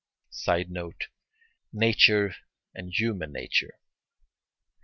[Sidenote: Nature and human nature.